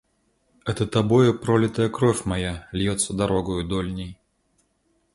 Это тобою пролитая кровь моя льется дорогою дольней.